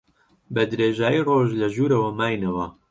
بە درێژایی ڕۆژ لە ژوورەوە ماینەوە.